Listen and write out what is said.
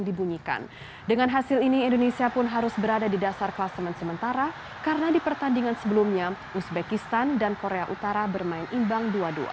dibunyikan dengan hasil ini indonesia pun harus berada di dasar klasemen sementara karena di pertandingan sebelumnya uzbekistan dan korea utara bermain imbang dua dua